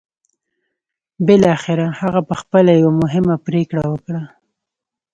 بالاخره هغه پخپله يوه مهمه پرېکړه وکړه.